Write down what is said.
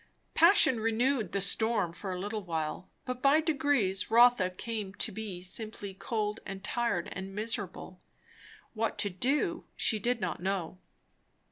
Passion renewed the storm, for a little while. But by degrees Rotha came to be simply cold and tired and miserable. What to do she did not know.